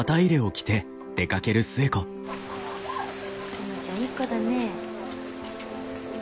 園ちゃんいい子だね。